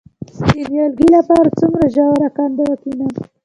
د نیالګي لپاره څومره ژوره کنده وکینم؟